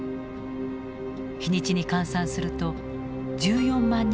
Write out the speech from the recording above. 日にちに換算すると１４万日分になる。